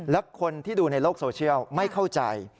และคนที่ดูในโลกโซเชียลไม่เข้าใจ